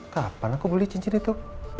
kapan aku beli cincin itu